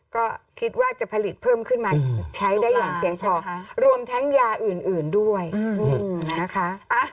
ก็คิดว่าจะผลิตเพิ่มขึ้นมาใช้ได้อย่างเพียงพอรวมทั้งยาอื่นด้วยนะคะ